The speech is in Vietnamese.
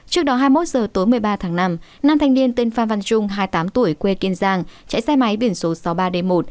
trước đó hai mươi một giờ tối một mươi ba tháng năm nam thanh niên tên phan văn trung hai mươi tám tuổi quê kiên giang chạy xe máy biển số sáu mươi ba d một tám nghìn một trăm năm mươi ba